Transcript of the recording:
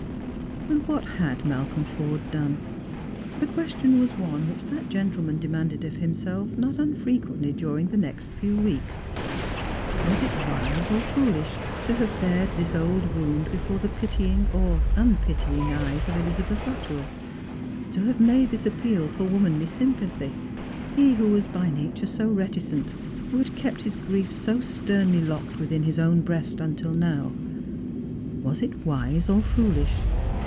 What had Malcolm Forde done? The question was one which that gentleman demanded of himself not unfrequently during the next few weeks. Was it wise or foolish to have bared this old wound before the pitying, or unpitying, eyes of Elizabeth Luttrell; to have made this appeal for womanly sympathy, he who was by nature so reticent, who had kept his griefs so sternly locked within his own breast until now ? Was it wise or foolish